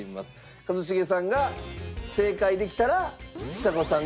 一茂さんが正解できたらちさ子さんがドボン。